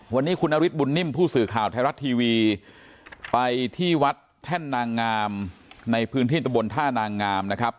วันนี้คุณนฤทธบุญนิ่มผู้สื่อข่าวไทยรัฐทีวีไปที่วัดแท่นนางงามในพื้นที่ตะบนท่านางงามนะครับ